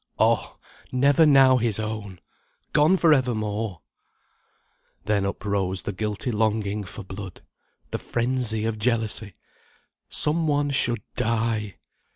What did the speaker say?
_ Oh! never now his own! Gone for evermore! Then uprose the guilty longing for blood! The frenzy of jealousy! Some one should die.